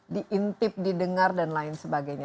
diintip didengar dan lain sebagainya